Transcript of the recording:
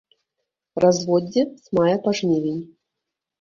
Разводдзе з мая па жнівень.